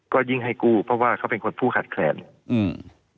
ก็ยิ่งให้กู้เพราะว่าเขาเป็นคนผู้ขัดแคลนอืม